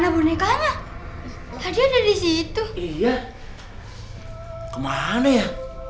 anak boneka anak tadi ada disitu iya kemana ya